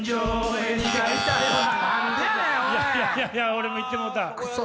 俺もいってもうた。